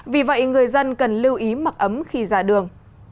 vì vậy người dân cần lưu ý mặc ấm khi ra đường